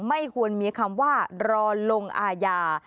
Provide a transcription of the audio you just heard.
ไม่ควรมีคำว่ารอลงอาญา